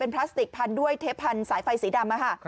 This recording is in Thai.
เป็นพลาสติกพันธุ์ด้วยเทปพันธุ์สายไฟสีดำค่ะ